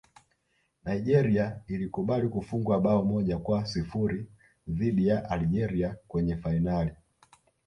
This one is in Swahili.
nigeria ilikubali kufungwa bao moja kwa sifuri dhidi ya algeria kwenye fainali